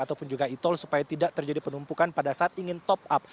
ataupun juga e tol supaya tidak terjadi penumpukan pada saat ingin top up